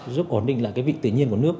giúp ổn định lại vị tự nhiên của nước